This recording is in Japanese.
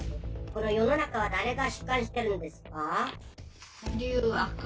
この世の中は誰が支配しているんですか？